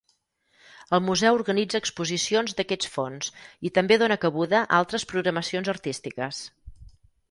El Museu organitza exposicions d'aquests fons i també dóna cabuda a altres programacions artístiques.